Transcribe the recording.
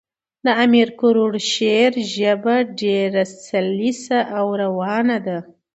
د امیر کروړ شعر ژبه ډېره سلیسه او روانه ده.